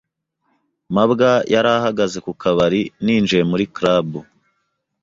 mabwa yari ahagaze ku kabari ninjiye muri club.